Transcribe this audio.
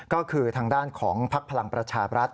ก็คือทางด้านของพักพลังประชาบรัฐ